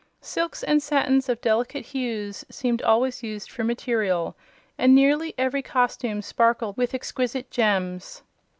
Silks and satins of delicate hues seemed always used for material, and nearly every costume sparkled with exquisite gems.